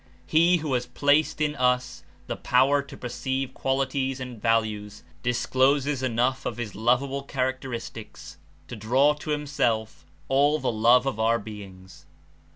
He, who has placed in us the power to perceive qualities and values, discloses enough of his lovable characteristics to draw to him self all the love of our beings.